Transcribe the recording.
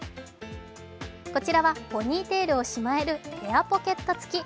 こちらはポニーテールをしまえるヘアポケット付き。